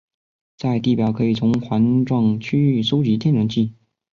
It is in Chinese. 在地表可以从环状区域收集天然气。